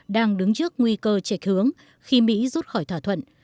đang đứng trước nguy cơ trạch hướng khi mỹ rút khỏi thỏa thuận